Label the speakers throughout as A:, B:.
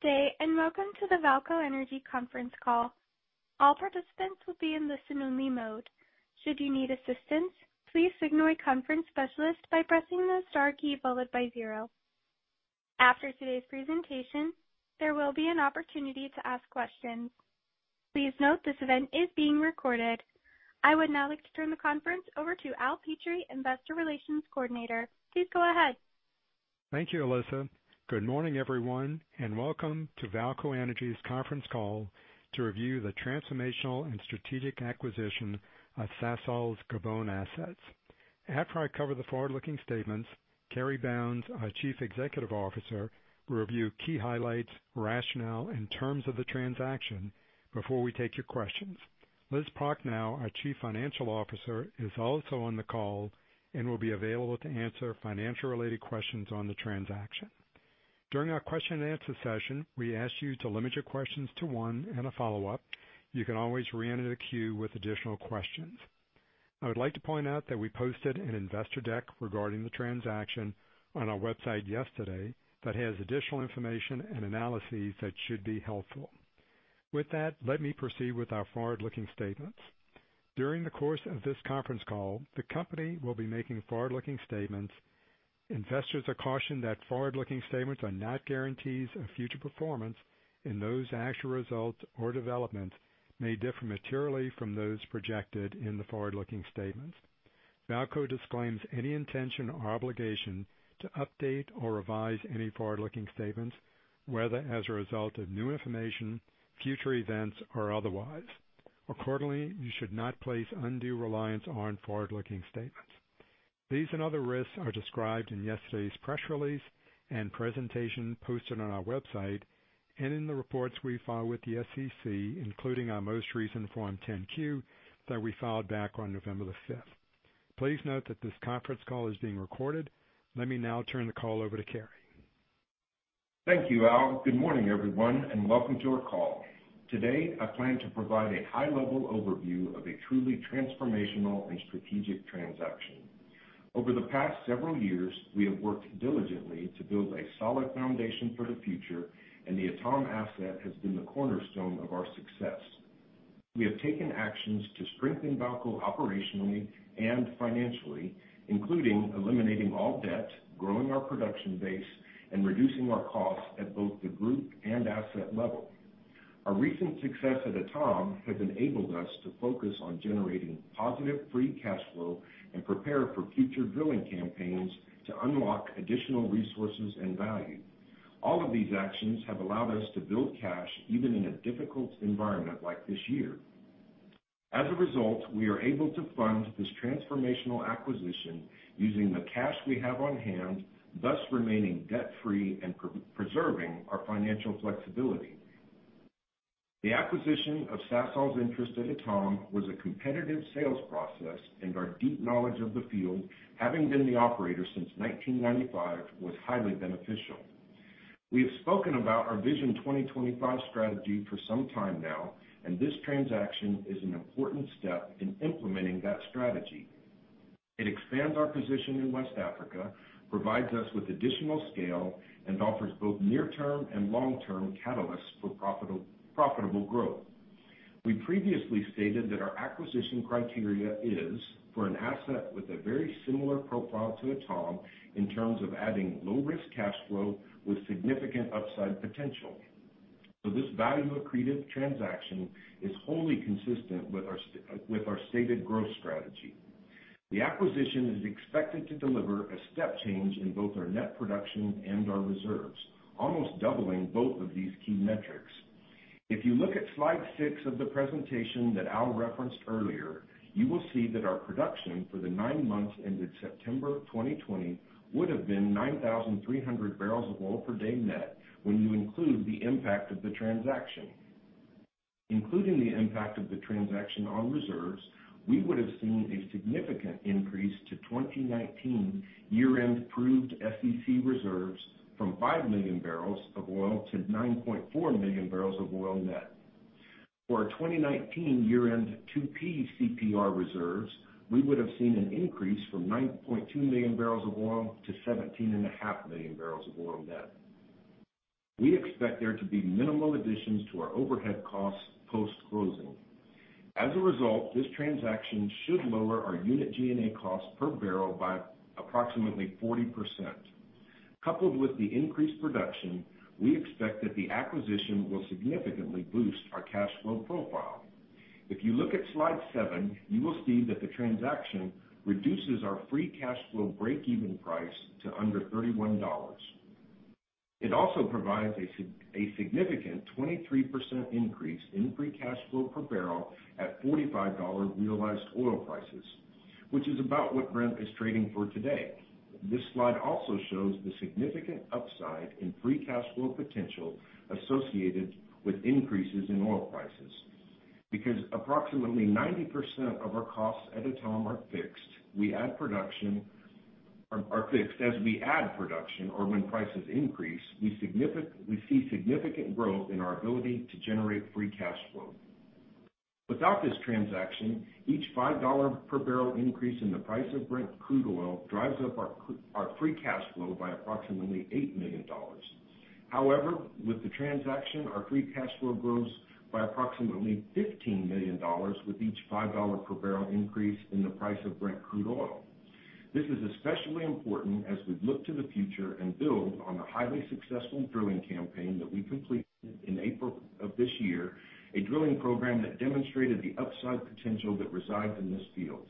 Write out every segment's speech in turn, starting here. A: Good day, welcome to the VAALCO Energy Conference Call. All participants will be in listen only mode. Should you need assistance, please signal a conference specialist by pressing the star key followed by zero. After today's presentation, there will be an opportunity to ask questions. Please note this event is being recorded. I would now like to turn the conference over to Al Petrie, Investor Relations Coordinator. Please go ahead.
B: Thank you, Alyssa. Good morning, everyone, and welcome to VAALCO Energy's Conference Call to review the transformational and strategic acquisition of Sasol's Gabon assets. After I cover the forward-looking statements, Cary Bounds, our Chief Executive Officer, will review key highlights, rationale, and terms of the transaction before we take your questions. Liz Prochnow, our Chief Financial Officer, is also on the call and will be available to answer financial-related questions on the transaction. During our question and answer session, we ask you to limit your questions to one and a follow-up. You can always reenter the queue with additional questions. I would like to point out that we posted an investor deck regarding the transaction on our website yesterday that has additional information and analyses that should be helpful. With that, let me proceed with our forward-looking statements. During the course of this conference call, the company will be making forward-looking statements. Investors are cautioned that forward-looking statements are not guarantees of future performance, and those actual results or developments may differ materially from those projected in the forward-looking statements. VAALCO disclaims any intention or obligation to update or revise any forward-looking statements, whether as a result of new information, future events, or otherwise. Accordingly, you should not place undue reliance on forward-looking statements. These and other risks are described in yesterday's press release and presentation posted on our website, and in the reports we file with the SEC, including our most recent Form 10-Q that we filed back on November 5th. Please note that this conference call is being recorded. Let me now turn the call over to Cary.
C: Thank you, Al. Good morning, everyone, and welcome to our call. Today, I plan to provide a high-level overview of a truly transformational and strategic transaction. Over the past several years, we have worked diligently to build a solid foundation for the future, and the Etame asset has been the cornerstone of our success. We have taken actions to strengthen VAALCO operationally and financially, including eliminating all debt, growing our production base, and reducing our costs at both the group and asset level. Our recent success at Etame has enabled us to focus on generating positive free cash flow and prepare for future drilling campaigns to unlock additional resources and value. All of these actions have allowed us to build cash even in a difficult environment like this year. We are able to fund this transformational acquisition using the cash we have on hand, thus remaining debt-free and preserving our financial flexibility. The acquisition of Sasol's interest at Etame was a competitive sales process. Our deep knowledge of the field, having been the operator since 1995, was highly beneficial. We have spoken about our Vision 2025 strategy for some time now. This transaction is an important step in implementing that strategy. It expands our position in West Africa, provides us with additional scale, offers both near-term and long-term catalysts for profitable growth. We previously stated that our acquisition criteria is for an asset with a very similar profile to Etame in terms of adding low-risk cash flow with significant upside potential. This value-accretive transaction is wholly consistent with our stated growth strategy. The acquisition is expected to deliver a step change in both our net production and our reserves, almost doubling both of these key metrics. If you look at Slide 6 of the presentation that Al referenced earlier, you will see that our production for the nine months ended September 2020 would have been 9,300 bbl of oil per day net, when you include the impact of the transaction. Including the impact of the transaction on reserves, we would have seen a significant increase to 2019 year-end proved SEC reserves from 5 million bbl of oil to 9.4 million bbl of oil net. For our 2019 year-end 2P CPR reserves, we would have seen an increase from 9.2 million bbl of oil to 17.5 million bbl of oil net. We expect there to be minimal additions to our overhead costs post-closing. As a result, this transaction should lower our unit G&A cost per barrel by approximately 40%. Coupled with the increased production, we expect that the acquisition will significantly boost our cash flow profile. If you look at Slide 7, you will see that the transaction reduces our free cash flow breakeven price to under $31. It also provides a significant 23% increase in free cash flow per barrel at $45 realized oil prices, which is about what Brent is trading for today. This slide also shows the significant upside in free cash flow potential associated with increases in oil prices. Because approximately 90% of our costs at Etame are fixed as we add production or when prices increase, we see significant growth in our ability to generate free cash flow. Without this transaction, each $5 per bbl increase in the price of Brent crude oil drives up our free cash flow by approximately $8 million. However, with the transaction, our free cash flow grows by approximately $15 million with each $5 per bbl increase in the price of Brent crude oil. This is especially important as we look to the future and build on the highly successful drilling campaign that we completed in April of this year, a drilling program that demonstrated the upside potential that resides in this field.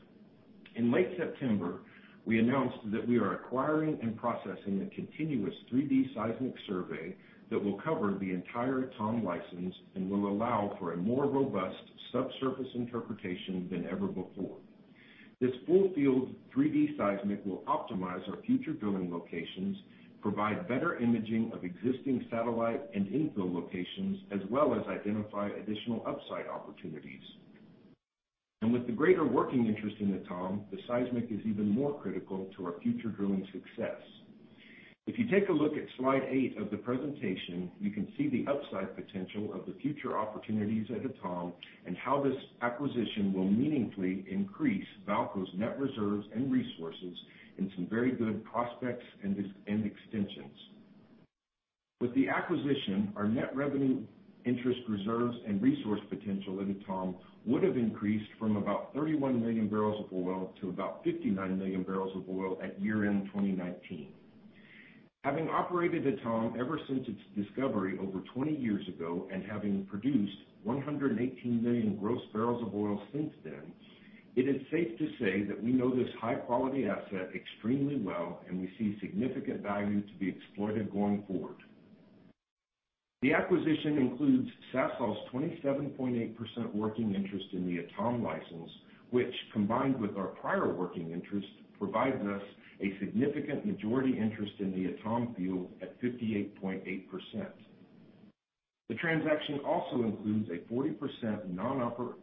C: In late September, we announced that we are acquiring and processing a continuous 3D seismic survey that will cover the entire Etame license and will allow for a more robust subsurface interpretation than ever before. This full-field 3D seismic will optimize our future drilling locations, provide better imaging of existing satellite and infill locations, as well as identify additional upside opportunities. With the greater working interest in Etame, the seismic is even more critical to our future drilling success. If you take a look at Slide 8 of the presentation, you can see the upside potential of the future opportunities at Etame and how this acquisition will meaningfully increase VAALCO's net reserves and resources in some very good prospects and extensions. With the acquisition, our net revenue interest reserves and resource potential at Etame would have increased from about 31 million bbl of oil to about 59 million bbl of oil at year-end 2019. Having operated Etame ever since its discovery over 20 years ago and having produced 118 million gross bbl of oil since then, it is safe to say that we know this high-quality asset extremely well, and we see significant value to be exploited going forward. The acquisition includes Sasol's 27.8% working interest in the Etame license, which, combined with our prior working interest, provides us a significant majority interest in the Etame field at 58.8%. The transaction also includes a 40%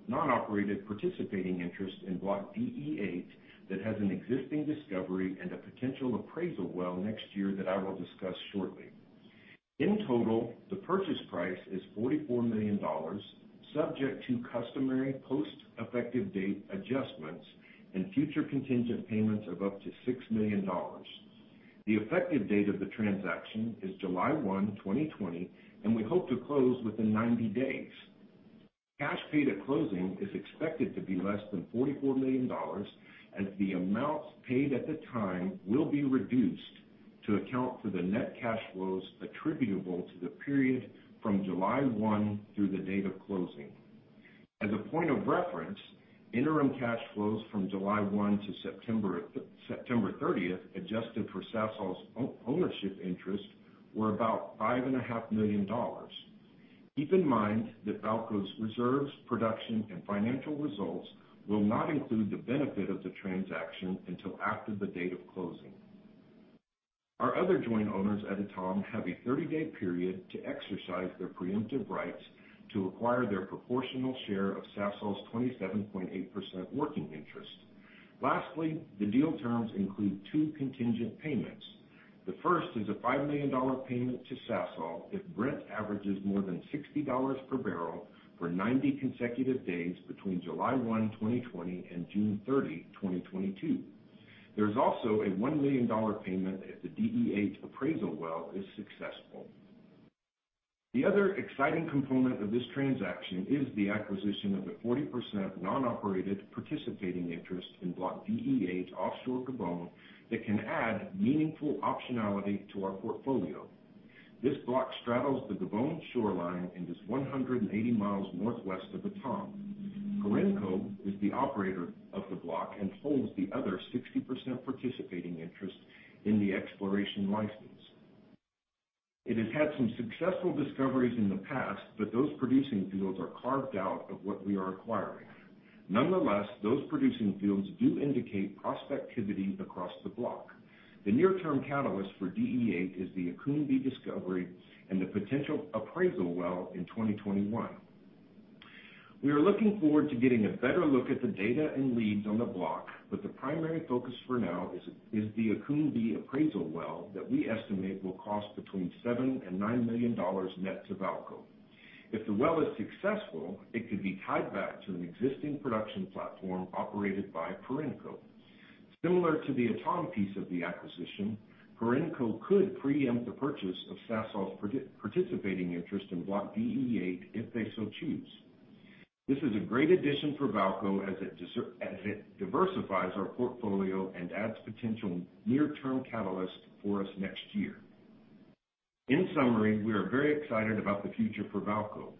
C: non-operated participating interest in Block DE-8 that has an existing discovery and a potential appraisal well next year that I will discuss shortly. In total, the purchase price is $44 million, subject to customary post-effective date adjustments and future contingent payments of up to $6 million. The effective date of the transaction is July 1, 2020, and we hope to close within 90 days. Cash paid at closing is expected to be less than $44 million, as the amount paid at the time will be reduced to account for the net cash flows attributable to the period from July 1 through the date of closing. As a point of reference, interim cash flows from July 1 to September 30th, adjusted for Sasol's ownership interest, were about $5.5 million. Keep in mind that VAALCO's reserves, production, and financial results will not include the benefit of the transaction until after the date of closing. Our other joint owners at Etame have a 30-day period to exercise their preemptive rights to acquire their proportional share of Sasol's 27.8% working interest. The deal terms include two contingent payments. The first is a $5 million payment to Sasol if Brent averages more than $60 per bbl for 90 consecutive days between July 1, 2020, and June 30, 2022. There's also a $1 million payment if the Block DE-8 appraisal well is successful. The other exciting component of this transaction is the acquisition of a 40% non-operated participating interest in Block DE-8 offshore Gabon that can add meaningful optionality to our portfolio. This block straddles the Gabon shoreline and is 180 miles northwest of Etame. Perenco is the operator of the block and holds the other 60% participating interest in the exploration license. It has had some successful discoveries in the past, but those producing fields are carved out of what we are acquiring. Nonetheless, those producing fields do indicate prospectivity across the block. The near-term catalyst for Block DE-8 is the Akoum-B discovery and the potential appraisal well in 2021. We are looking forward to getting a better look at the data and leads on the block, but the primary focus for now is the Akoum-B appraisal well that we estimate will cost between $7 million and $9 million net to VAALCO. If the well is successful, it could be tied back to an existing production platform operated by Perenco. Similar to the Etame piece of the acquisition, Perenco could preempt the purchase of Sasol's participating interest in Block DE-8 if they so choose. This is a great addition for VAALCO as it diversifies our portfolio and adds potential near-term catalyst for us next year. In summary, we are very excited about the future for VAALCO.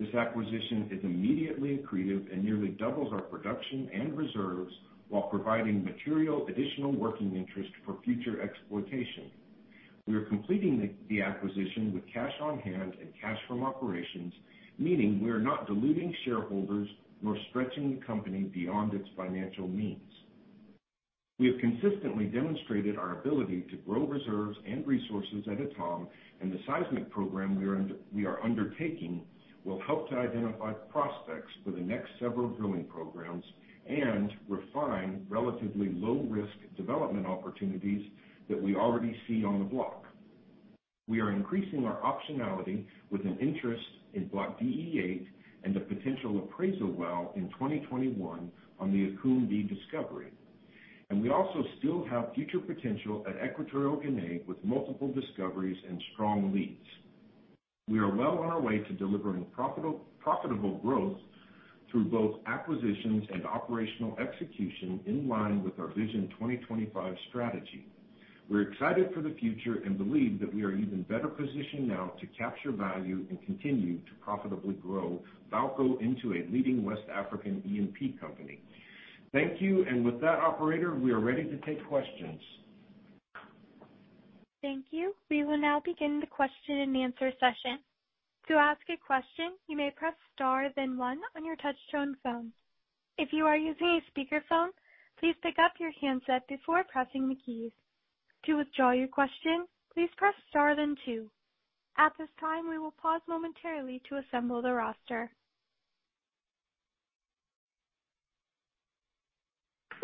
C: This acquisition is immediately accretive and nearly doubles our production and reserves while providing material additional working interest for future exploitation. We are completing the acquisition with cash on hand and cash from operations, meaning we are not diluting shareholders nor stretching the company beyond its financial means. We have consistently demonstrated our ability to grow reserves and resources at Etame, and the seismic program we are undertaking will help to identify prospects for the next several drilling programs and refine relatively low-risk development opportunities that we already see on the block. We are increasing our optionality with an interest in Block DE-8 and the potential appraisal well in 2021 on the Akoum-B discovery. We also still have future potential at Equatorial Guinea with multiple discoveries and strong leads. We are well on our way to delivering profitable growth through both acquisitions and operational execution in line with our Vision 2025 strategy. We're excited for the future and believe that we are even better positioned now to capture value and continue to profitably grow VAALCO into a leading West African E&P company. Thank you. With that, operator, we are ready to take questions.
A: Thank you. We will now begin the question and answer session. To ask a question, you may press star then one on your touchtone phone. If you are using a speakerphone, please pick up your handset before pressing the keys. To withdraw your question, please press star then two. At this time, we will pause momentarily to assemble the roster.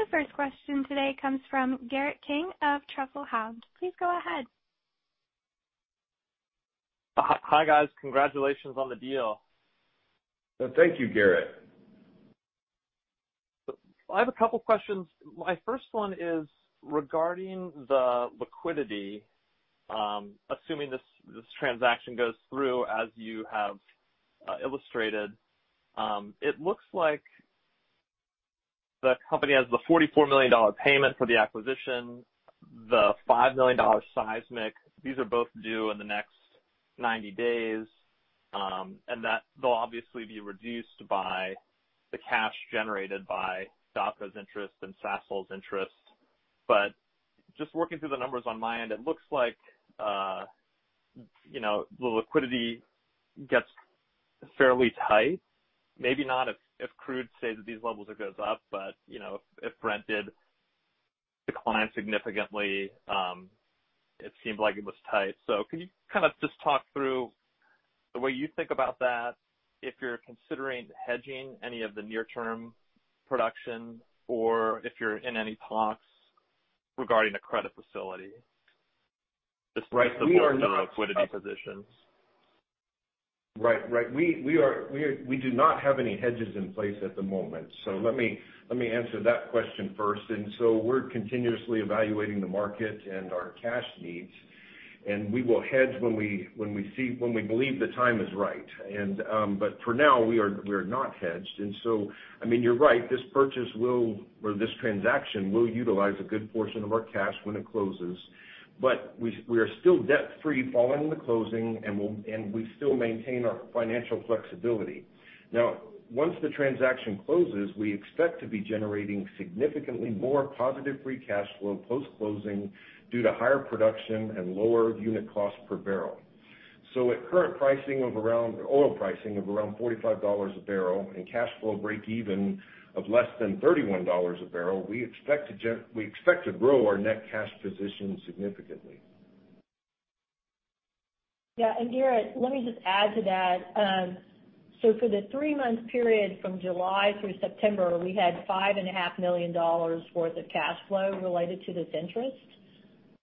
A: The first question today comes from Garrett King of Truffle Hound. Please go ahead.
D: Hi, guys. Congratulations on the deal.
C: Thank you, Garrett.
D: I have a couple questions. My first one is regarding the liquidity. Assuming this transaction goes through as you have illustrated, it looks like the company has the $44 million payment for the acquisition, the $5 million seismic. These are both due in the next 90 days. That they'll obviously be reduced by the cash generated by VAALCO's interest and Sasol's interest. Just working through the numbers on my end, it looks like the liquidity gets fairly tight. Maybe not if crude stays at these levels or goes up. If Brent did decline significantly, it seemed like it was tight. Can you just talk through the way you think about that, if you're considering hedging any of the near-term production or if you're in any talks regarding a credit facility to support the liquidity positions?
C: Right. We do not have any hedges in place at the moment. Let me answer that question first. We're continuously evaluating the market and our cash needs, and we will hedge when we believe the time is right. For now, we are not hedged. You're right, this transaction will utilize a good portion of our cash when it closes. We are still debt-free following the closing, and we still maintain our financial flexibility. Once the transaction closes, we expect to be generating significantly more positive free cash flow post-closing due to higher production and lower unit cost per barrel. At current oil pricing of around $45 a barrel and cash flow breakeven of less than $31 a barrel, we expect to grow our net cash position significantly.
E: Yeah, Garrett, let me just add to that. For the three-month period from July through September, we had $5.5 million worth of cash flow related to this interest.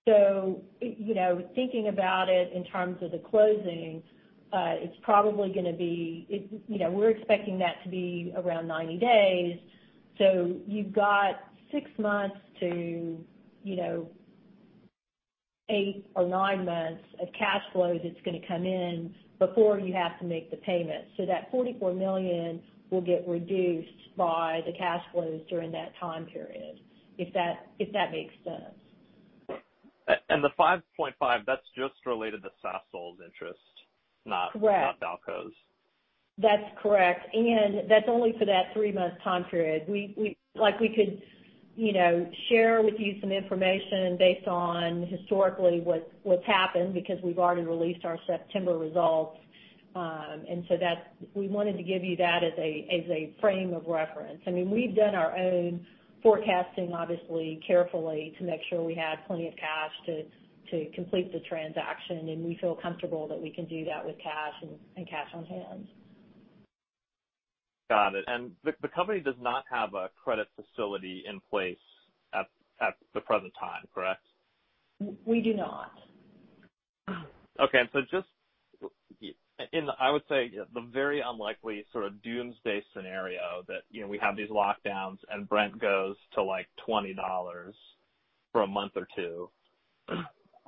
E: Thinking about it in terms of the closing, we're expecting that to be around 90 days. You've got six months to eight or nine months of cash flows that's going to come in before you have to make the payment. That $44 million will get reduced by the cash flows during that time period. If that makes sense.
D: The $5.5 million, that's just related to Sasol's interest, not.
E: Correct.
D: VAALCO's.
E: That's correct. That's only for that three-month time period. We could share with you some information based on historically what's happened, because we've already released our September results. We wanted to give you that as a frame of reference. We've done our own forecasting, obviously carefully, to make sure we have plenty of cash to complete the transaction, and we feel comfortable that we can do that with cash and cash on hand.
D: Got it. The company does not have a credit facility in place at the present time, correct?
E: We do not.
D: Okay. Just in, I would say, the very unlikely sort of doomsday scenario that we have these lockdowns and Brent goes to $20 for a month or two.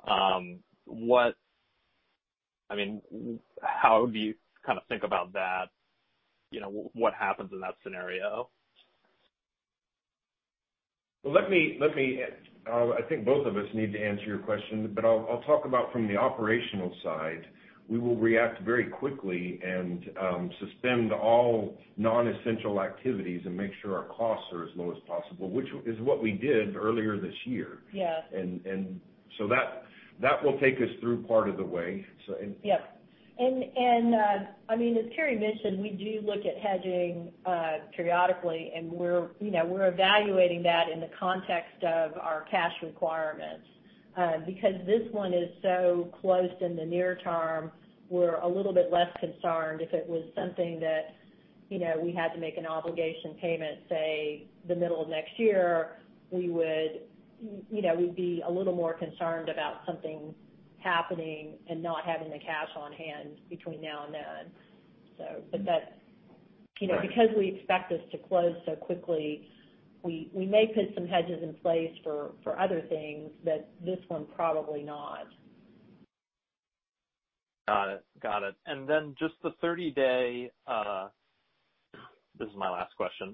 D: How do you think about that? What happens in that scenario?
C: Well, I think both of us need to answer your question, but I'll talk about from the operational side. We will react very quickly and suspend all non-essential activities and make sure our costs are as low as possible, which is what we did earlier this year.
E: Yes.
C: That will take us through part of the way.
E: Yep. As Cary mentioned, we do look at hedging periodically, and we're evaluating that in the context of our cash requirements. Because this one is so close in the near term, we're a little bit less concerned if it was something that we had to make an obligation payment, say, the middle of next year, we'd be a little more concerned about something happening and not having the cash on hand between now and then.
D: Right.
E: Because we expect this to close so quickly, we may put some hedges in place for other things, but this one probably not.
D: Got it. This is my last question.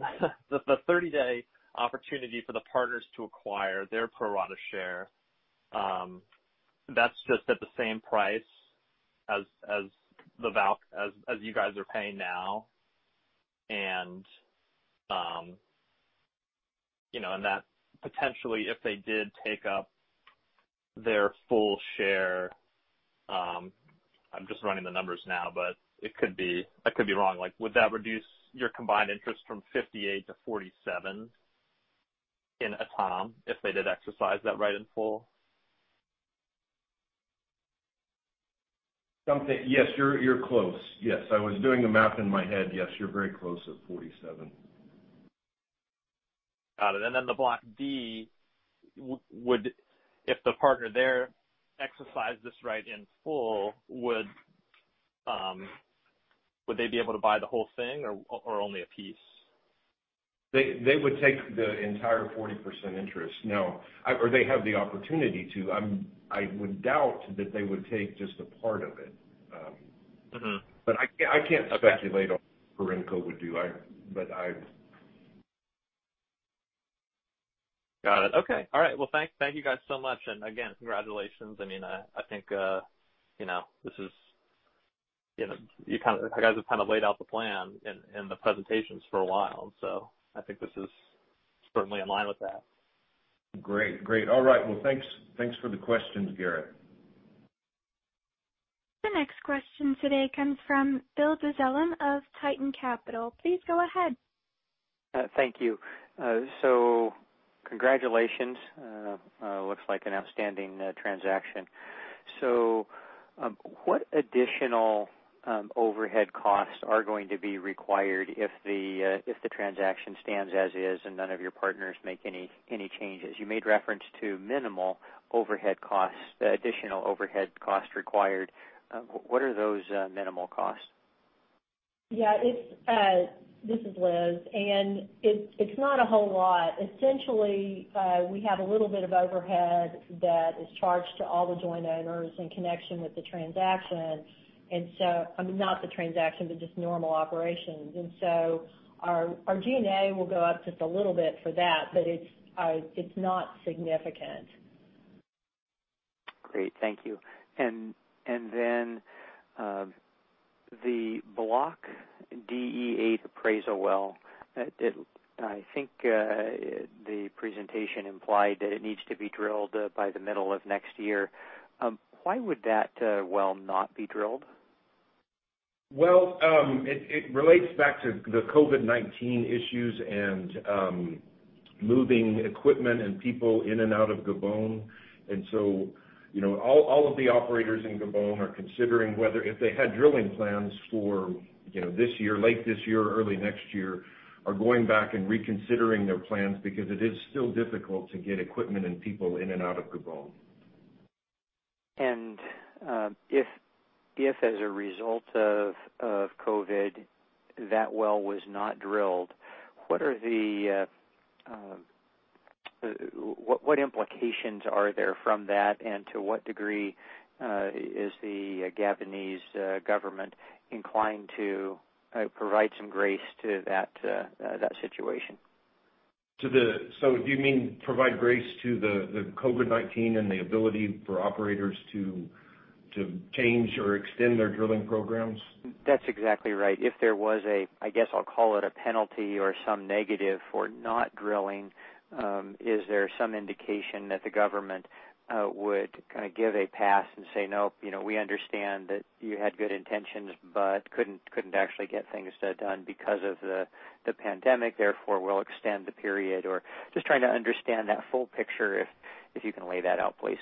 D: The 30-day opportunity for the partners to acquire their pro-rata share, that's just at the same price as you guys are paying now? Potentially, if they did take up their full share, I'm just running the numbers now, but I could be wrong, would that reduce your combined interest from 58% to 47% in Etame, if they did exercise that right in full?
C: Something Yes, you're close. Yes. I was doing the math in my head. Yes, you're very close at 47%.
D: Got it. The Block D, if the partner there exercised this right in full, would they be able to buy the whole thing or only a piece?
C: They would take the entire 40% interest, no. They have the opportunity to. I would doubt that they would take just a part of it. I can't speculate on what Perenco would do.
D: Got it. Okay. All right. Thank you guys so much, and again, congratulations. I think you guys have laid out the plan in the presentations for a while, so I think this is certainly in line with that.
C: Great. All right. Thanks for the questions, Garrett.
A: The next question today comes from Bill Dezellem of Tieton Capital. Please go ahead.
F: Thank you. Congratulations. Looks like an outstanding transaction. What additional overhead costs are going to be required if the transaction stands as is, and none of your partners make any changes? You made reference to minimal overhead costs, additional overhead costs required. What are those minimal costs?
E: This is Liz. It's not a whole lot. Essentially, we have a little bit of overhead that is charged to all the joint owners in connection with the transaction. I mean, not the transaction, but just normal operations. Our G&A will go up just a little bit for that, but it's not significant.
F: Great. Thank you. Then the Block DE-8 appraisal well, I think the presentation implied that it needs to be drilled by the middle of next year. Why would that well not be drilled?
C: Well, it relates back to the COVID-19 issues and moving equipment and people in and out of Gabon. All of the operators in Gabon are considering whether if they had drilling plans for this year, late this year or early next year, are going back and reconsidering their plans because it is still difficult to get equipment and people in and out of Gabon.
F: If as a result of COVID, that well was not drilled, what implications are there from that, and to what degree is the Gabonese government inclined to provide some grace to that situation?
C: Do you mean provide grace to the COVID-19 and the ability for operators to change or extend their drilling programs?
F: That's exactly right. If there was a, I guess I'll call it a penalty or some negative for not drilling, is there some indication that the government would give a pass and say, "Nope, we understand that you had good intentions, but couldn't actually get things done because of the pandemic, therefore we'll extend the period." Or just trying to understand that full picture, if you can lay that out, please.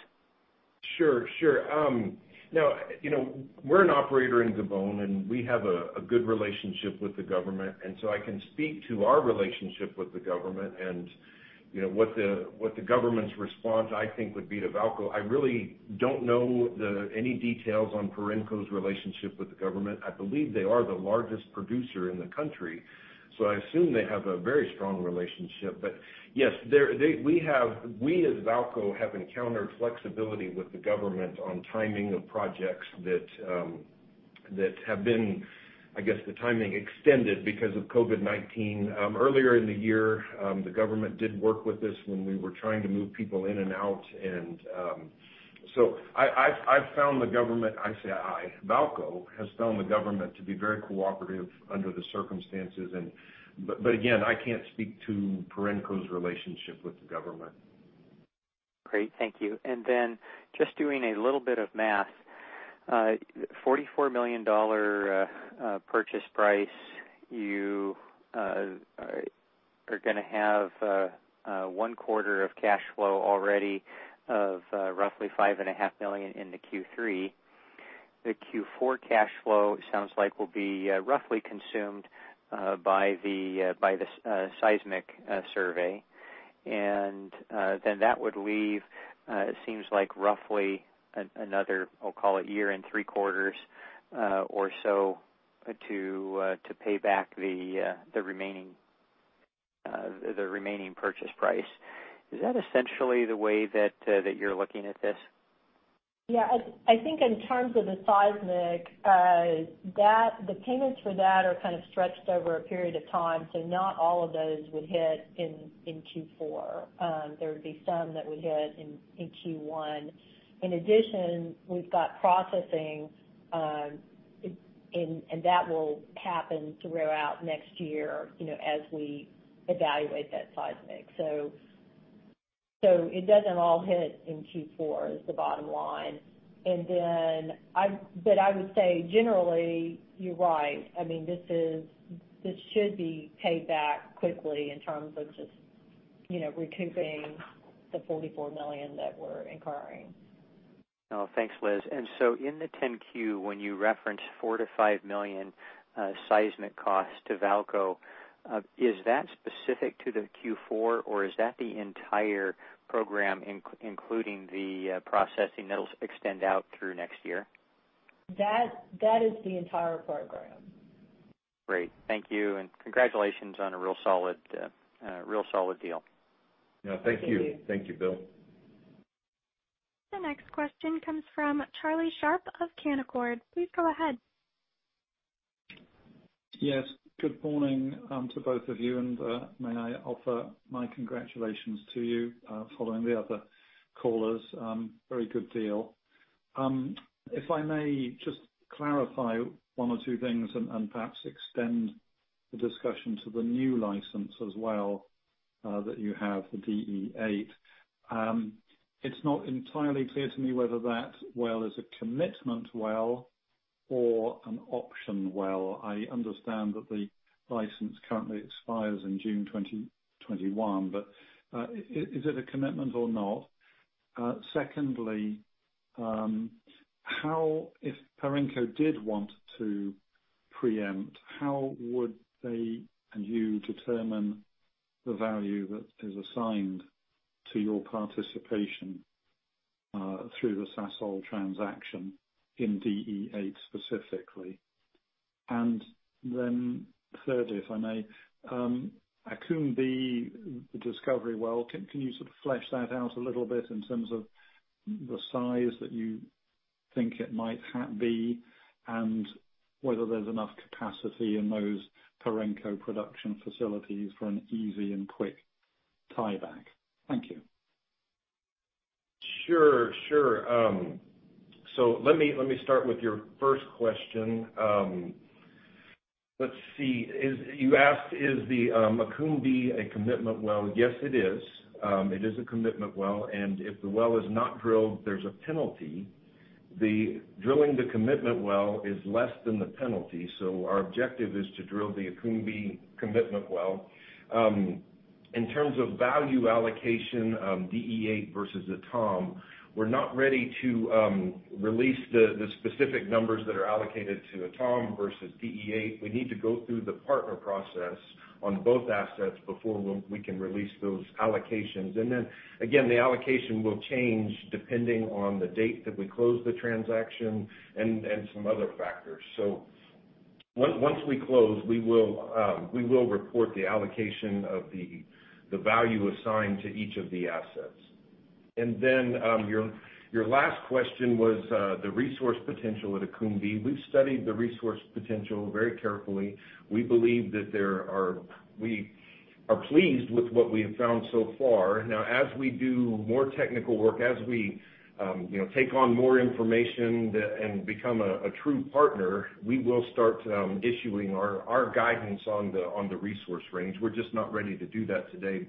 C: We're an operator in Gabon, and we have a good relationship with the government, so I can speak to our relationship with the government and what the government's response, I think, would be to VAALCO. I really don't know any details on Perenco's relationship with the government. I believe they are the largest producer in the country, so I assume they have a very strong relationship. Yes, we as VAALCO have encountered flexibility with the government on timing of projects that have been, I guess, the timing extended because of COVID-19. Earlier in the year, the government did work with us when we were trying to move people in and out, I've found the government I say I, VAALCO has found the government to be very cooperative under the circumstances. Again, I can't speak to Perenco's relationship with the government.
F: Great. Thank you. Just doing a little bit of math, $44 million purchase price, you are going to have one quarter of cash flow already of roughly $5.5 million into Q3. The Q4 cash flow sounds like will be roughly consumed by the seismic survey. That would leave, it seems like roughly another, we'll call it a year and three quarters or so to pay back the remaining purchase price. Is that essentially the way that you're looking at this?
E: I think in terms of the seismic, the payments for that are stretched over a period of time, not all of those would hit in Q4. There would be some that would hit in Q1. In addition, we've got processing, and that will happen throughout next year as we evaluate that seismic. It doesn't all hit in Q4, is the bottom line. I would say, generally, you're right. This should be paid back quickly in terms of just recouping the $44 million that we're incurring.
F: Oh, thanks, Liz. In the 10-Q, when you referenced $4 million-$5 million seismic cost to VAALCO, is that specific to the Q4 or is that the entire program including the processing that'll extend out through next year?
E: That is the entire program.
F: Great. Thank you, and congratulations on a real solid deal.
C: Yeah, thank you.
E: Thank you.
C: Thank you, Bill.
A: The next question comes from Charlie Sharp of Canaccord. Please go ahead.
G: Yes, good morning to both of you. May I offer my congratulations to you, following the other callers. Very good deal. If I may just clarify one or two things and perhaps extend the discussion to the new license as well that you have, the Block DE-8. It's not entirely clear to me whether that well is a commitment well or an option well. I understand that the license currently expires in June 2021. Is it a commitment or not? Secondly, if Perenco did want to preempt, how would they and you determine the value that is assigned to your participation through the Sasol transaction in Block DE-8 specifically? Thirdly, if I may, Akoum-B the discovery well, can you sort of flesh that out a little bit in terms of the size that you think it might be and whether there's enough capacity in those Perenco production facilities for an easy and quick tieback? Thank you.
C: Sure. Let me start with your first question. Let's see. You asked, is the Akoum-B a commitment well? Yes, it is. It is a commitment well, and if the well is not drilled, there's a penalty. Drilling the commitment well is less than the penalty, so our objective is to drill the Akoum-B commitment well. In terms of value allocation of Block DE-8 versus Etame, we're not ready to release the specific numbers that are allocated to Etame versus Block DE-8. We need to go through the partner process on both assets before we can release those allocations. Then again, the allocation will change depending on the date that we close the transaction and some other factors. Once we close, we will report the allocation of the value assigned to each of the assets. Then your last question was the resource potential at Akoum-B. We've studied the resource potential very carefully. We are pleased with what we have found so far. Now, as we do more technical work, as we take on more information and become a true partner, we will start issuing our guidance on the resource range. We're just not ready to do that today.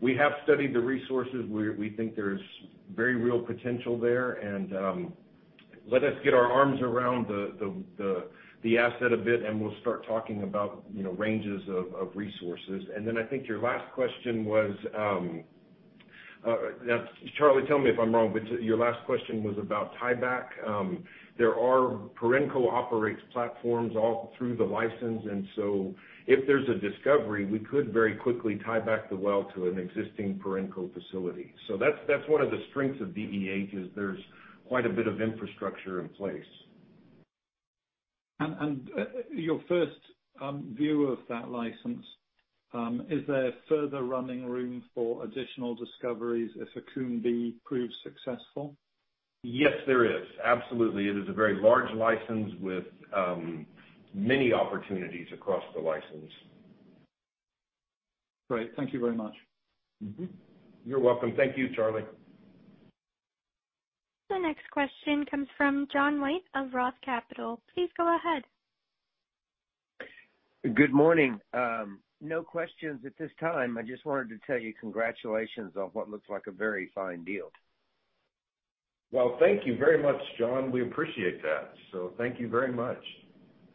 C: We have studied the resources. We think there's very real potential there, and let us get our arms around the asset a bit and we'll start talking about ranges of resources. I think your last question was Charlie, tell me if I'm wrong, but your last question was about tieback. Perenco operates platforms all through the license, and so if there's a discovery, we could very quickly tie back the well to an existing Perenco facility. That's one of the strengths of Block DE-8, is there's quite a bit of infrastructure in place.
G: Your first view of that license, is there further running room for additional discoveries if Akoum-B proves successful?
C: Yes, there is. Absolutely. It is a very large license with many opportunities across the license.
G: Great. Thank you very much.
C: You're welcome. Thank you, Charlie.
A: The next question comes from John White of ROTH Capital. Please go ahead.
H: Good morning. No questions at this time. I just wanted to tell you congratulations on what looks like a very fine deal.
C: Well, thank you very much, John. We appreciate that. Thank you very much.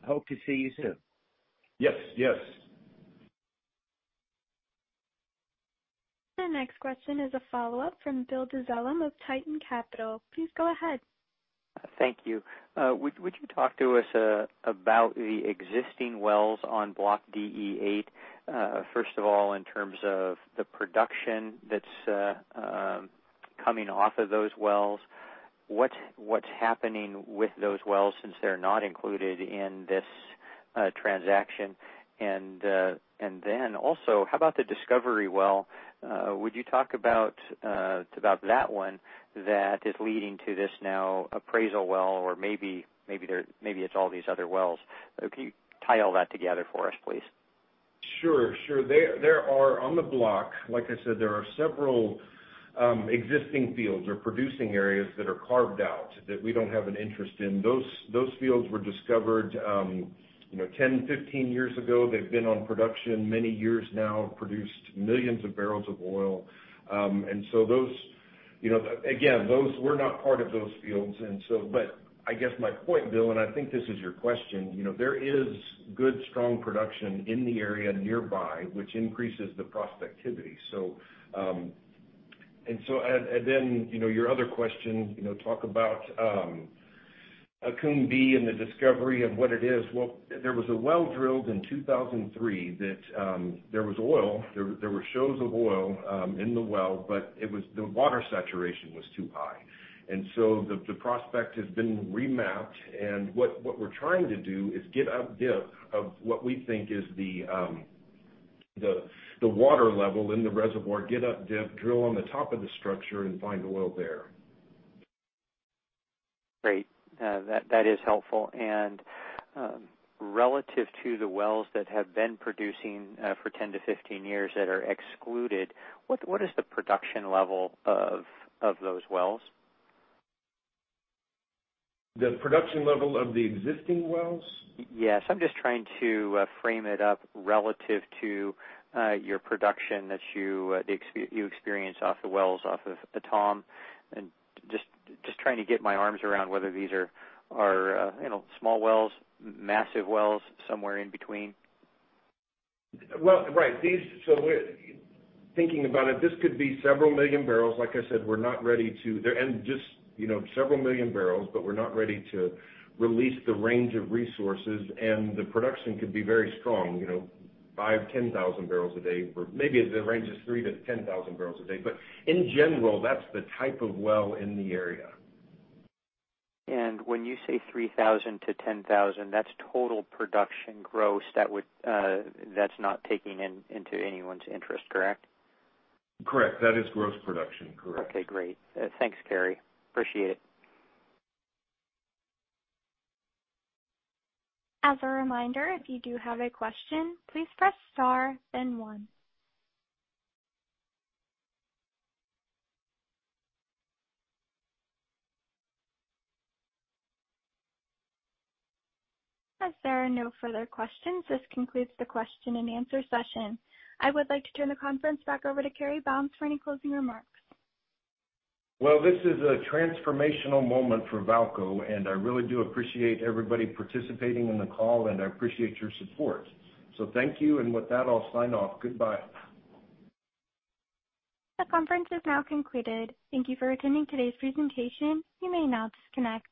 H: Hope to see you soon.
C: Yes. Yes.
A: The next question is a follow-up from Bill Dezellem of Tieton Capital. Please go ahead.
F: Thank you. Would you talk to us about the existing wells on Block DE-8? First of all, in terms of the production that's coming off of those wells, what's happening with those wells since they're not included in this transaction? How about the discovery well? Would you talk about that one that is leading to this now appraisal well or maybe it's all these other wells. Can you tie all that together for us, please?
C: Sure. There are, on the block, like I said, there are several existing fields or producing areas that are carved out that we don't have an interest in. Those fields were discovered 10, 15 years ago. They've been on production many years now, produced millions of barrels of oil. Again, we're not part of those fields. I guess my point, Bill, and I think this is your question, there is good, strong production in the area nearby, which increases the prospectivity. Your other question, talk about Akoum-B and the discovery of what it is. There was a well drilled in 2003 that there was oil, there were shows of oil in the well, but the water saturation was too high. The prospect has been remapped and what we're trying to do is get up dip of what we think is the water level in the reservoir, get up dip, drill on the top of the structure and find oil there.
F: Great. That is helpful. Relative to the wells that have been producing for 10-15 years that are excluded, what is the production level of those wells?
C: The production level of the existing wells?
F: Yes, I'm just trying to frame it up relative to your production that you experienced off the wells off of Etame, and just trying to get my arms around whether these are small wells, massive wells, somewhere in between.
C: Well, right. Thinking about it, this could be several million barrels. Like I said, we're not ready to release the range of resources, the production could be very strong, 5,000 bpd-10,000 bpd. Maybe the range is 3,000 bpd-10,000 bpd. In general, that's the type of well in the area.
F: When you say 3,000-10,000, that's total production gross. That's not taking into anyone's interest, correct?
C: Correct. That is gross production. Correct.
F: Okay, great. Thanks, Cary. Appreciate it.
A: As a reminder, if you do have a question please press star then one. As there are no further questions, this concludes the question and answer session. I would like to turn the conference back over to Cary Bounds for any closing remarks.
C: Well, this is a transformational moment for VAALCO, and I really do appreciate everybody participating in the call, and I appreciate your support. Thank you. With that, I'll sign off. Goodbye.
A: The conference is now concluded. Thank you for attending today's presentation. You may now disconnect.